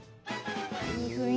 いい雰囲気。